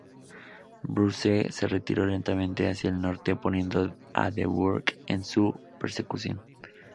Bruce se retiró lentamente hacia el norte, poniendo a de Burgh en su persecución.